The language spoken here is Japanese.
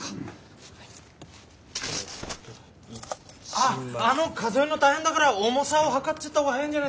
あっあの数えるのたいへんだから重さをはかっちゃった方が早いんじゃないですかね？